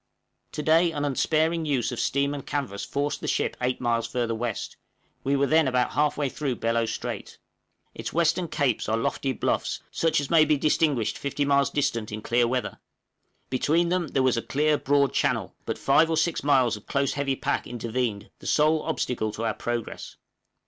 To day an unsparing use of steam and canvas forced the ship eight miles further west; we were then about half way through Bellot Strait! Its western capes are lofty bluffs, such as may be distinguished fifty miles distant in clear weather; between them there was a clear broad channel, but five or six miles of close heavy pack intervened the sole obstacle to our progress.